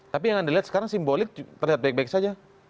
tapi yang anda lihat sekarang simbolik terlihat baik baik saja